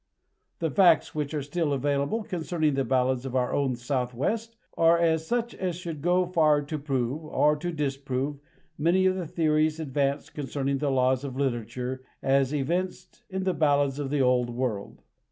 The facts which are still available concerning the ballads of our own Southwest are such as should go far to prove, or to disprove, many of the theories advanced concerning the laws of literature as evinced in the ballads of the old world.